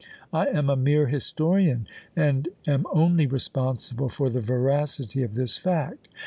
I am a mere historian and am only responsible for the veracity of this fact.